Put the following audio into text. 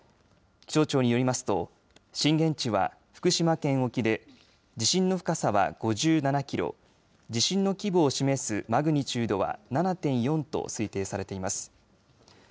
気象庁によりますと震源地は福島県沖で震源の深さは５７キロ地震の規模を示すマグニチュードは７．４と推定されています。